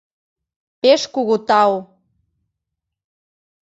Пеш кугу тау.